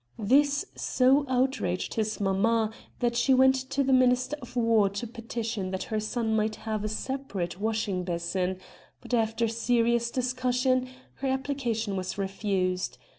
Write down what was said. This so outraged his mamma that she went to the Minister of War to petition that her son might have a separate washing basin; but after serious discussion her application was refused.